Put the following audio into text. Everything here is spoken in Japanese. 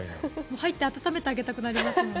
入って温めてあげたくなりますよね。